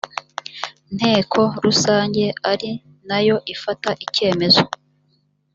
nteko rusange ari na yo ifata icyemezo